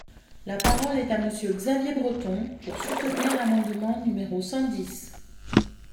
La parole est à Monsieur Xavier Breton, pour soutenir l’amendement numéro cent dix.